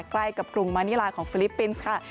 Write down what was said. ใกล้กับกรุงมานิลาของฟิลิปปินส์ค่ะ